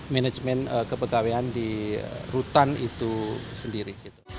manajemen kepegawaian di rutan itu sendiri